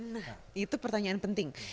nah itu pertanyaan penting